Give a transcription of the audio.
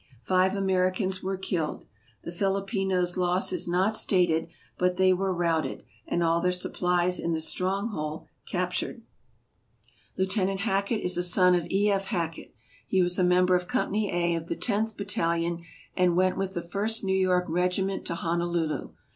Five Americans were killed. The Filipinos' loss is not stated, but they were routed and all their supplies in the strong hold captured. SKETCHES OF TRAVEL Lieutenant Hackett is a son of E. F. Hackett. He was a member of Company A of the Tenth Battalion, and went with the First "New York Eegiment to Honolulu.